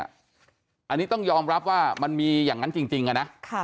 อันนี้ต้องยอมรับว่ามันมีอย่างนั้นจริงนะ